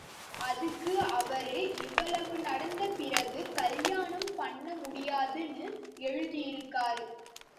அதுக்கு அவரு, இவ்வளவு நடந்த பிறகு கல்யாணம் பண்ண முடியாது ன்னு எழுதியிருக்கார்.